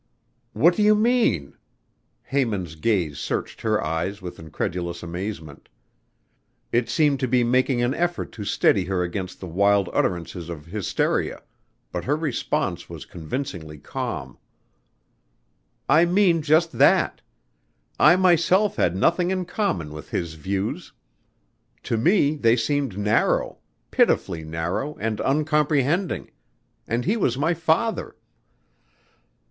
"What do you mean?" Haymond's gaze searched her eyes with incredulous amazement. It seemed to be making an effort to steady her against the wild utterances of hysteria, but her response was convincingly calm. "I mean just that. I myself had nothing in common with his views. To me they seemed narrow pitifully narrow and uncomprehending and he was my father.